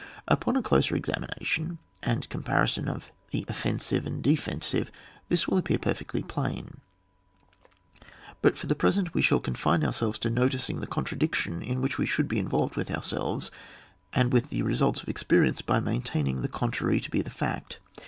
Upon a closer examination, and com parison of the offensive and defensive, this will appear perfectly plain ; but for the present we shall coidine ourselves to noticing the contradiction in which we should be involved with ourselves, and with the results of experience by main taining the contrary to be the fact.